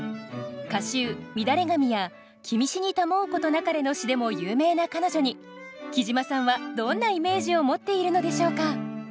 歌集「みだれ髪」や「君死にたまふことなかれ」の詩でも有名な彼女にきじまさんはどんなイメージを持っているのでしょうか？